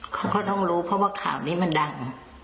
เขาก็ต้องรู้เพราะว่าข่าวนี้มันดัง